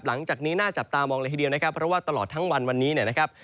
หลังจากนี้น่าจับตามองเลยทีเดียวนะครับเพราะว่าตลอดทั้งวันวันนี้เนี่ยนะครับ